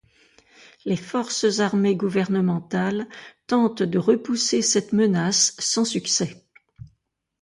Les forces armées gouvernementales tentent de repousser cette menace, sans succès.